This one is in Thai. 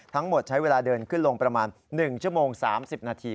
ทั้งหมดใช้เวลาเดินขึ้นลงประมาณ๑ชั่วโมง๓๐นาที